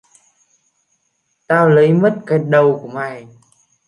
tao lấy mất cái đầu của mày